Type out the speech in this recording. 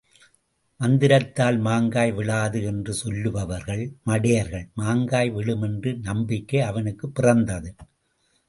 மந்திரத்தால் மாங்காய் விழாது என்று சொல்லுபவர்கள் மடையர்கள் மாங்காய் விழும் என்ற நம்பிக்கை அவனுக்குப் பிறந்தது.